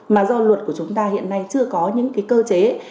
nhưng dư luận của chúng ta hiện nay chưa có những cái cơ chế